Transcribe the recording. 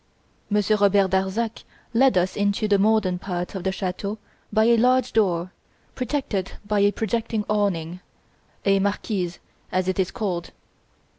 Monsieur Robert Darzac led us into the modern part of the chateau by a large door, protected by a projecting awning a "marquise" as it is called.